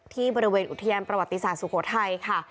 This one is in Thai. ที่บริเวณอุทยานประวัติศาสตร์สุโขทัยค่ะ